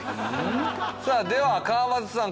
さあでは川畑さん